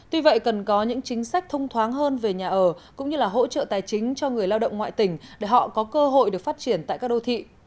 tuy vậy cần có những chính sách thông thoáng hơn về nhà ở cũng như là hỗ trợ tài chính cho người lao động ngoại tỉnh để họ có cơ hội được phát triển tại các đô thị